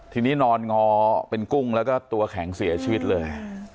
ทีนี้นอนงอเป็นกุ้งแล้วก็ตัวแข็งเสียชีวิตเลย